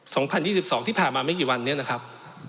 สองพันยี่สิบสองที่ผ่านมาไม่กี่วันนี้นะครับ